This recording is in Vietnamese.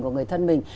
của người thân mình